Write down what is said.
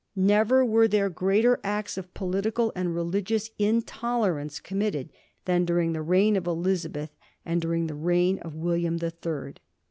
Never were there greater acts of political and religious in tolerance committed than during the reign of Eliza beth and during the reign of William the Third.